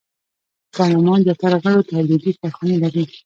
پارلمان زیاتره غړو تولیدي کارخانې لرلې.